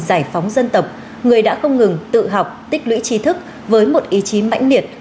giải phóng dân tộc người đã không ngừng tự học tích lũy trí thức với một ý chí mãnh liệt